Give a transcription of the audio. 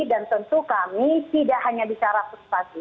dan tentu kami tidak hanya bicara suspansi